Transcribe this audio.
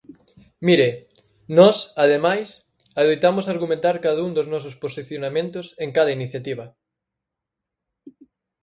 Mire, nós ademais adoitamos argumentar cada un dos nosos posicionamentos en cada iniciativa.